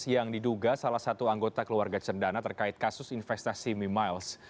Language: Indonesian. yang diduga salah satu anggota keluarga cendana terkait kasus investasi mimiles